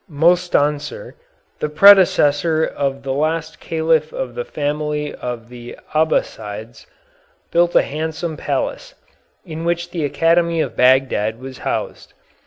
Mostanser, the predecessor of the last Caliph of the family of the Abbassides, built a handsome palace, in which the academy of Bagdad was housed.